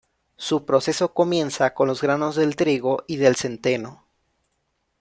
Su proceso comienza con los granos del trigo y del centeno.